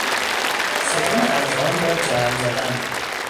ستون ارقام را جمع زدن